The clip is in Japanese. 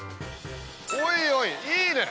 おいおいいいね！